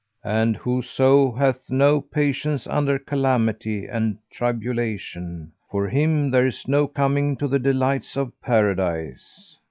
and whoso hath not patience under calamity and tribulation, for him there is no coming to the delights of Paradise.